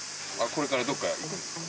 これからどこか行くんですか？